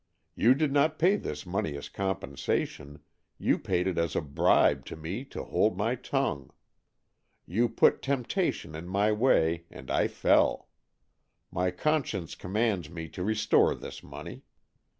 You did not pay this money as compensation, you paid it as a bribe to me to hold my tongue. You put temptation in my way and I fell. My con science commands me to restore this money.